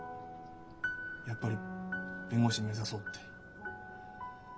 やっぱり弁護士目指そうって。